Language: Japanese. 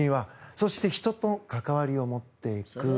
そして人との関わりと持っていく。